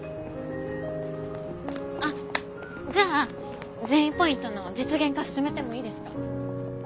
あじゃあ善意ポイントの実現化進めてもいいですか？